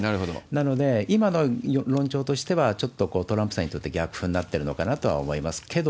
なので、今の論調としては、ちょっとトランプさんにとって逆風になってるのかなとは思います。